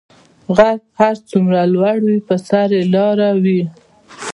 غر څه هر څومره لوړ وی په سر ئي لاره وی